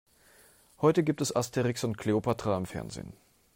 Heute gibt es Asterix und Kleopatra im Fernsehen.